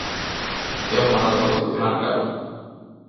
É un mandato constitucional claro.